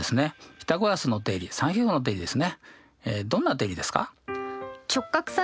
ピタゴラスの定理三平方の定理ですね。